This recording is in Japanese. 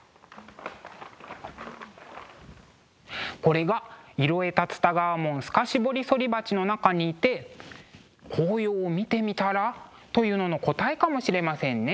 これが「色絵竜田川文透彫反鉢」の中にいて紅葉を見てみたら？というのの答えかもしれませんね。